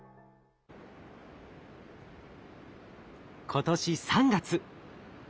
今年３月。